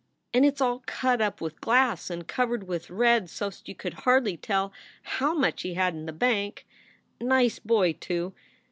And it s all cut up with glass and covered with red so st you couldn t hardly tell how much he had in the bank. Nice boy, too.